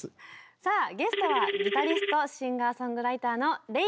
さあゲストはギタリスト・シンガーソングライターのＲｅｉさんです。